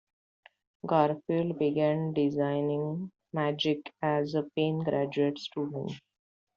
Garfield began designing "Magic" as a Penn graduate student.